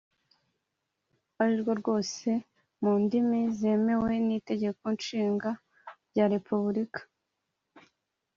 ari rwo rwose mu ndimi zemewe n’Itegeko Nshinga rya Repubulika